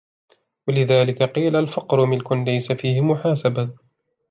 وَلِذَلِكَ قِيلَ الْفَقْرُ مِلْكٌ لَيْسَ فِيهِ مُحَاسَبَةٌ